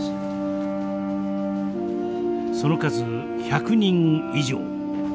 その数１００人以上。